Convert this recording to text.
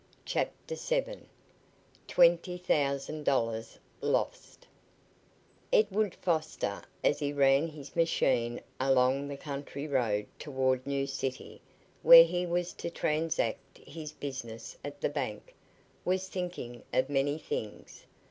CHAPTER VII TWENTY THOUSAND DOLLARS LOST Edward Foster, as he ran his machine along the country road toward New City, where he was to transact his business at the bank, was thinking of many things.